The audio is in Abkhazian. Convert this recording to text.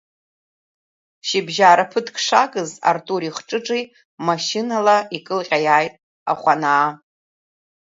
Шьыбжьаара ԥыҭк шагыз Артури Хҿыҿи машьынала икылҟьа иааит Ахәынаа.